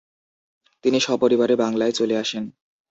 তিনি সপরিবারে বাংলায় চলে আসেন।